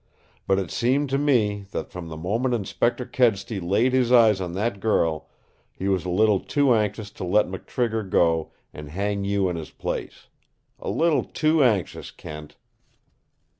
But it seemed to me that from the moment Inspector Kedsty laid his eyes on that girl he was a little too anxious to let McTrigger go and hang you in his place. A little too anxious, Kent."